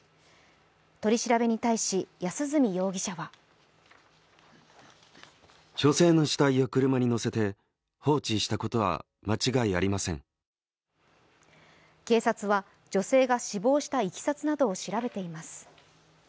取り調べに対し、安栖容疑者は警察は女性が死亡したいきさつなどを調べています。